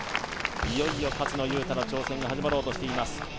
いよいよ勝野雄太の挑戦が始まろうとしています